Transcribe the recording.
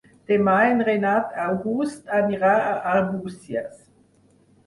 Demà en Renat August anirà a Arbúcies.